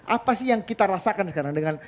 apa sih yang kita rasakan sekarang dengan